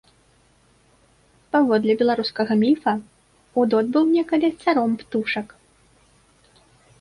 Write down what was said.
Паводле беларускага міфа, удод быў некалі царом птушак.